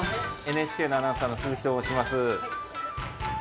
ＮＨＫのアナウンサーの鈴木と申します。